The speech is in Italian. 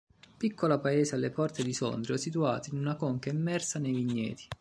Piccolo paese alle porte di Sondrio situato in una conca immersa nei vigneti.